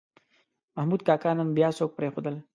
محمود کاکا نن بیا څوک پرېښود.